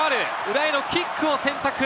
裏へのキックを選択。